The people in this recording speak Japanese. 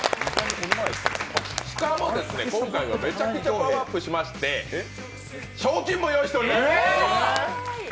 しかも今回はめちゃくちゃパワーアップしまして賞金も用意しています。